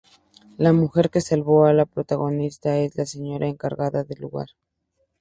La mujer que salvó a la protagonista es la señora encargada del lugar.